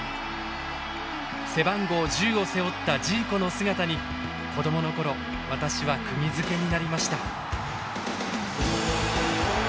背番号１０を背負ったジーコの姿に子どもの頃私はくぎづけになりました。